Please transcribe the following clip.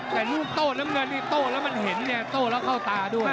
แต่ลูกโต้น้ำเงินนี่โต้แล้วมันเห็นเนี่ยโต้แล้วเข้าตาด้วย